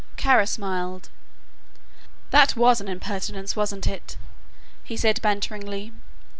Kara smiled. "That was an impertinence, wasn't it!" he said, banteringly.